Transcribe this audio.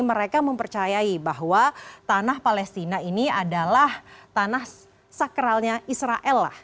mereka mempercayai bahwa tanah palestina ini adalah tanah sakralnya israel lah